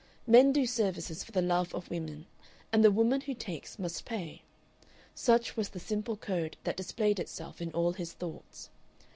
Men do services for the love of women, and the woman who takes must pay. Such was the simple code that displayed itself in all his thoughts.